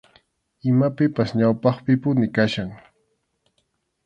Imapipas ñawpaqpipuni kachkan.